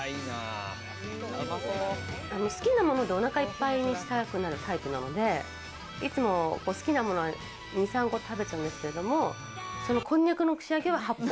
好きなものでお腹いっぱいにしたくなるタイプなので、いつも好きなものは２３個食べちゃうんですけども、こんにゃくの串揚げは８本。